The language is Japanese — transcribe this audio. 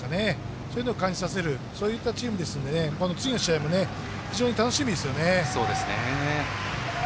そういうのを感じさせるそういったチームですので次の試合も非常に楽しみですよね。